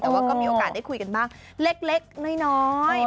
แต่ว่าก็มีโอกาสได้คุยกันบ้างเล็กน้อย